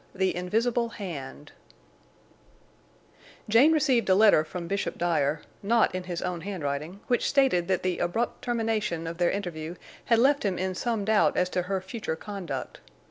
THE INVISIBLE HAND Jane received a letter from Bishop Dyer, not in his own handwriting, which stated that the abrupt termination of their interview had left him in some doubt as to her future conduct.